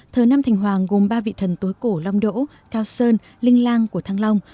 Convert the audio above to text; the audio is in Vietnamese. thờ nam thành hoàng gồm ba vị thần tối cổ long đỗ cao sơn linh lang của thăng long